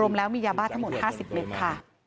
แล้วมียาบ้าทั้งหมด๕๐เมตรค่ะ